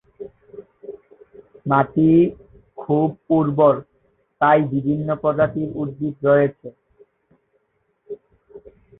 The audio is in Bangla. মাটি খুব উর্বর এবং তাই বিভিন্ন প্রজাতির উদ্ভিদ রয়েছে।